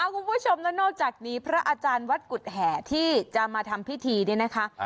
คุณผู้ชมแล้วนอกจากนี้พระอาจารย์วัดกุฎแห่ที่จะมาทำพิธีเนี่ยนะคะ